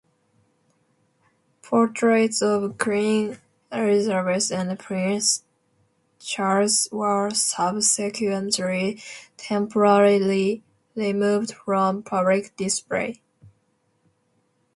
Portraits of Queen Elizabeth and Prince Charles were subsequently temporarily removed from public display.